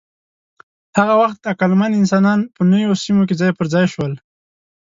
هغه وخت عقلمن انسانان په نویو سیمو کې ځای پر ځای شول.